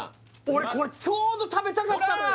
俺これちょうど食べたかったのほら！